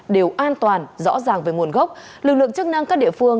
đều an toàn rõ ràng về nguồn gốc lực lượng chức năng các địa phương